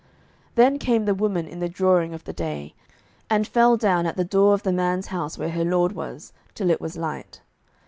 07:019:026 Then came the woman in the dawning of the day, and fell down at the door of the man's house where her lord was, till it was light.